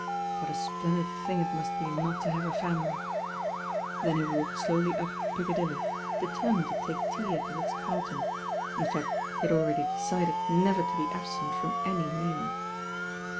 What a splendid thing it mustT »ot to have a family. Hen he walkfd sCty up THE SEARCH BEGINS rf PiccadiUy, determined to take tea at the Ritz Carl ton, in fact he had already decided never to be absent from any meal.